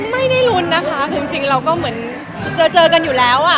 ไม่ได้รุนนะคะขึงจิงเหมือนเจอกันอยู่แล้วอ่ะ